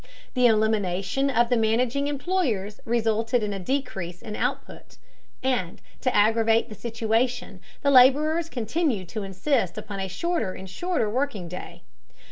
The elimination of the managing employers resulted in a decrease in output, and to aggravate the situation the laborers continued to insist upon a shorter and shorter working day.